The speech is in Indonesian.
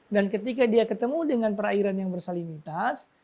dan ketika dia ketemu dengan perairan yang bersalinitas